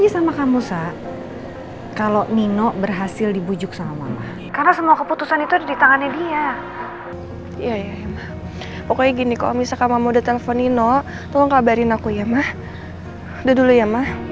sampai jumpa di video selanjutnya